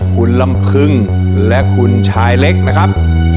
คุณลำพึงและคุณชายเล็กนะครับ